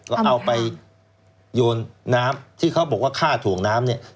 แล้วเอาไปโยนน้ำที่เขาบอกว่าฆ่าถ่วงน้ำเนี่ย